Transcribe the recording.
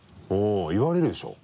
言われるでしょ？